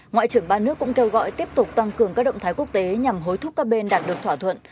ngoại trưởng ba nước cũng kêu gọi tiếp tục tăng cường các động thái quốc tế nhằm hối thúc các bên đạt được thỏa thuận